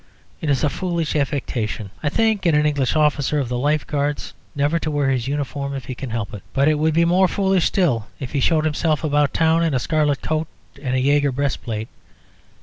It is a foolish affectation, I think, in an English officer of the Life Guards never to wear his uniform if he can help it. But it would be more foolish still if he showed himself about town in a scarlet coat and a Jaeger breast plate.